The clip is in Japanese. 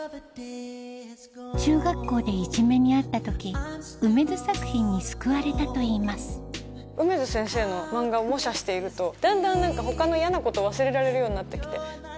中学校でいじめに遭った時楳図作品に救われたといいます楳図先生の漫画を模写しているとだんだん何か他の嫌なことを忘れられるようになって来て。